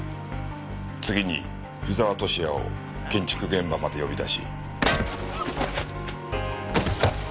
次に湯沢敏也を建築現場まで呼び出し。